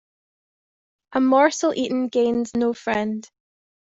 A morsel eaten gains no friend.